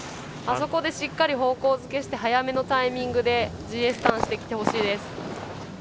あそこでしっかり方向付けして早めのタイミングでＧＳターンしてきてほしいです。